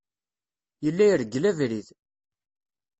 Yella ireggel abrid.